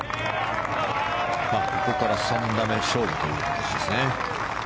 ここから３打目勝負という形ですね。